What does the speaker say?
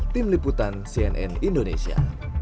tim liputan cnn indonesia